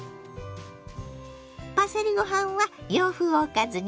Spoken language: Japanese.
パセリご飯は洋風おかずにピッタリ。